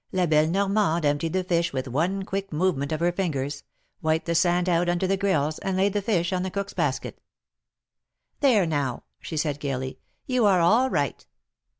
La belle Normande emptied the fish with one quick movement of her fingers — wiped the sand out under the gills, and laid the fish in the cook's basket. There now," she said, gayly, you are all right."